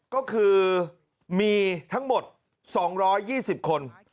ก็คือมีทั้งหมด๒๒๐คน